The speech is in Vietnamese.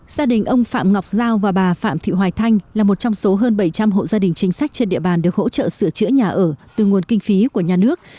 gia đình ông phạm ngọc giao và bà phạm thị hoài thanh là một trong số hơn bảy trăm linh hộ gia đình chính sách trên địa bàn được hỗ trợ sửa chữa nhà ở từ nguồn kinh phí của nhà nước